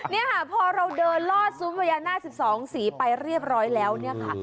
นี่ค่ะพอเราเดินล่อซุ้มพญานาค๑๒สีไปเรียบร้อยแล้วเนี่ยค่ะ